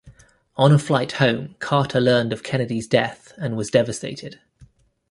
On a flight home, Carter learned of Kennedy's death and was devastated.